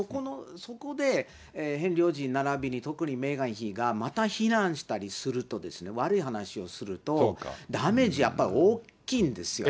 そこで、ヘンリー王子ならびに、特にメーガン妃がまた非難したりすると、悪い話をすると、ダメージ、やっぱり大きいんですよ。